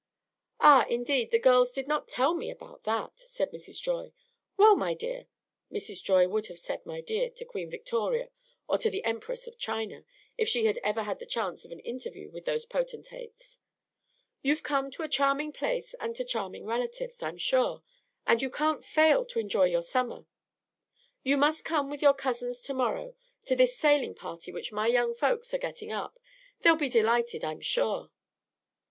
'" "Ah, indeed, the girls did not tell me about that," said Mrs. Joy. "Well, my dear," Mrs. Joy would have said "my dear" to Queen Victoria or the Empress of China, if she had ever had the chance of an interview with those potentates, "you've come to a charming place and to charming relatives, I'm sure, and you can't fail to enjoy your summer. You must come with your cousins to morrow to this sailing party which my young folks are getting up. They'll be delighted, I'm sure."